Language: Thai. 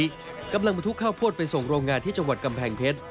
กำลังบรรทุกข้าวโพดไปส่งโรงงานที่จังหวัดกำแพงเพชร